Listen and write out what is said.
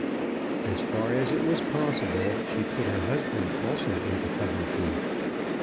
As far as it was possible she put her husband also into Coventry.